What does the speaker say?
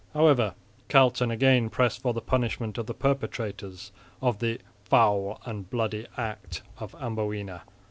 However, Carleton again pressed for the punishment of the perpetrators of "the foule and bloody act" of Amboina.